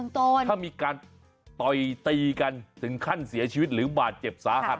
ถ้ามีการต่อยตีกันถึงขั้นเสียชีวิตหรือบาดเจ็บสาหัส